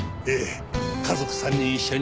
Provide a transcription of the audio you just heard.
家族３人一緒に山形で。